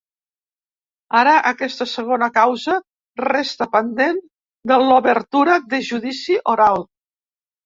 Ara aquesta segona causa resta pendent de l’obertura de judici oral.